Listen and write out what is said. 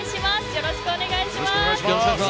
よろしくお願いします！